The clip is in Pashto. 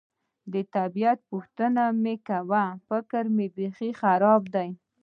د طبیعت پوښتنه مې مه کوه، فکر مې بېخي خراب دی.